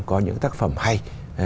có những tác phẩm hay